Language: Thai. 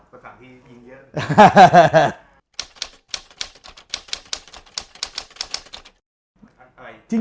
ประถามพี่ยิ่งเยอะ